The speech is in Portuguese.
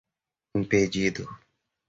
impedido